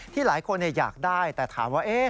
หลายคนอยากได้แต่ถามว่า